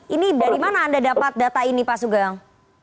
ini dari mana anda dapat data ini pak sugeng